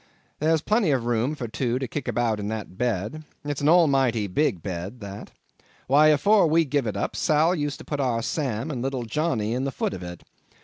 There's plenty of room for two to kick about in that bed; it's an almighty big bed that. Why, afore we give it up, Sal used to put our Sam and little Johnny in the foot of it.